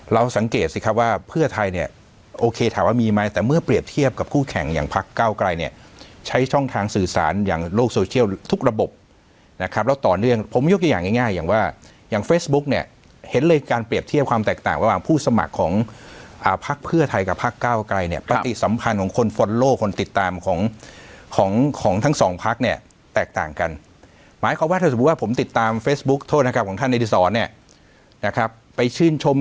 เราสังเกตสิครับว่าเพื่อไทยเนี่ยโอเคถามว่ามีไหมแต่เมื่อเปรียบเทียบกับผู้แข่งอย่างภาคเก้าไกลเนี่ยใช้ช่องทางสื่อสารอย่างโลกโซเชียลทุกระบบนะครับแล้วต่อเนื่องผมยกอย่างง่ายอย่างว่าอย่างเฟสบุ๊คเนี่ยเห็นเลยการเปรียบเทียบความแตกต่างระหว่างผู้สมัครของภาคเพื่อไทยกับภาคเก้าไกลเนี่ยป